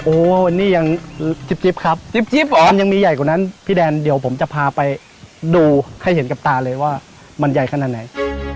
โอ้โหนี่ยังจิ๊บครับจิ๊บเหรอยังมีใหญ่กว่านั้นพี่แดนเดี๋ยวผมจะพาไปดูให้เห็นกับตาเลยว่ามันใหญ่ขนาดไหน